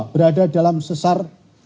berada dalam sesar